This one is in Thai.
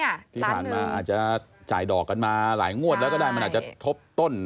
ที่ผ่านมาอาจจะจ่ายดอกกันมาหลายงวดแล้วก็ได้มันอาจจะทบต้น